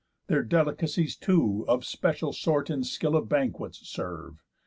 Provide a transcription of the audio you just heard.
Their delicacies two, of special sort In skill of banquets, serve.